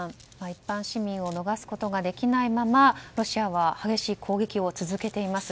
一般市民を逃すことができないままロシアは激しい攻撃を続けています。